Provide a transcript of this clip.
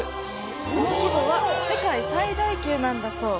その規模は世界最大級なんだそう。